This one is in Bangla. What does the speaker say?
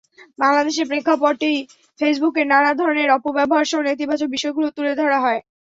বাংলাদেশের প্রেক্ষাপটে ফেসবুকের নানা ধরনের অপব্যবহারসহ নেতিবাচক বিষয়গুলো তুলে ধরা হয়।